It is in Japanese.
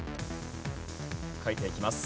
書いていきます。